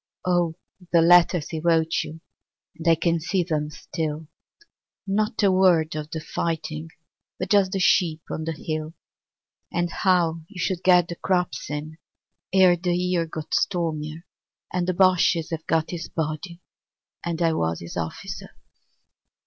Oh, the letters he wrote you, And I can see them still. Not a word of the fighting But just the sheep on the hill And how you should get the crops in Ere the year got stormier, 40 And the Bosches have got his body. And I was his officer.